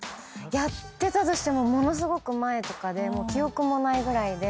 やってたとしてもものすごく前とかで記憶もないぐらいで。